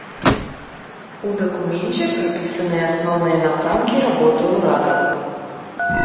У дакуменце прапісаныя асноўныя напрамкі работы ўрада.